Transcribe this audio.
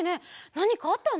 なにかあったの？